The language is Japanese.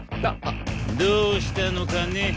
どうしたのかね？